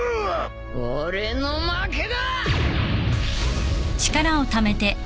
俺の負けだ！